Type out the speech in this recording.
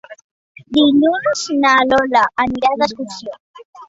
Dilluns na Lola anirà d'excursió.